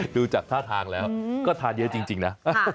ดูจากท่าทางแล้วก็ทานเยอะจริงนะ